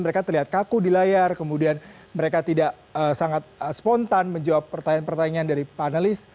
mereka terlihat kaku di layar kemudian mereka tidak sangat spontan menjawab pertanyaan pertanyaan dari panelis